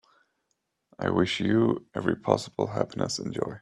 I wish you every possible happiness and joy.